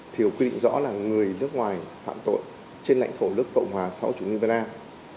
thì quy định rõ là người nước ngoài phạm tội trên lãnh thổ nước cộng hòa sau chủ nghĩa việt nam